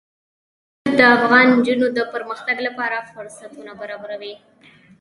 نفت د افغان نجونو د پرمختګ لپاره فرصتونه برابروي.